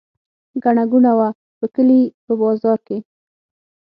ګڼه ګوڼه وه په کلي په بازار کې.